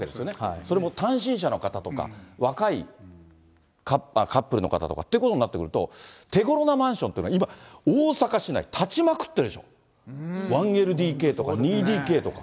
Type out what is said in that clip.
それも単身者の方とか、若いカップルの方とかということになってくると、手ごろなマンションというのは、今、大阪市内、建ちまくってるでしょ、１ＬＤＫとか、２ＤＫとか。